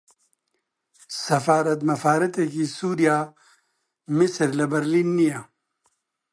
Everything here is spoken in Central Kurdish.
سەفارەت مەفارەتێکی سووریا، میسر لە برلین نییە